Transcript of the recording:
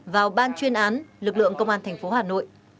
vào ban chuyên án lực lượng công an thành phố hà nội